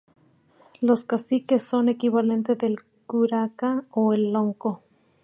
Los caciques son equivalente del "curaca" o el "lonco".